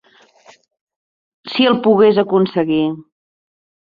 Si el pogués aconseguir!